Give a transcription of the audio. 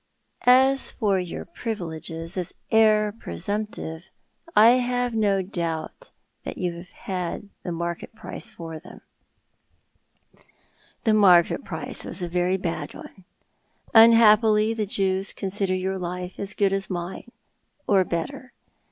"As for your privileges as heir presumptive I have no doubt you have had the market price for them." " The market price was a very bad one. Unhappily the Jews consider your life as good as mine— or better.